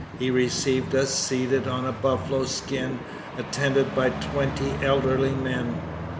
He received us seated on a buffalo skin, attended by twenty elderly men.